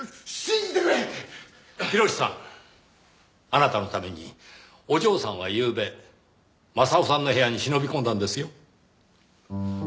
あなたのためにお嬢さんはゆうべ雅夫さんの部屋に忍び込んだんですよ。